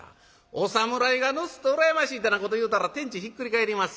お侍がぬすっと羨ましいってなこと言うたら天地ひっくり返りまっせ」。